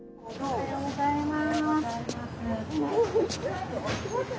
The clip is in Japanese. おはようございます。